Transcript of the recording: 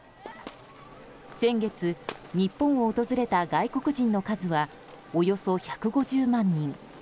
先月、日本を訪れた外国人の数はおよそ１５０万人。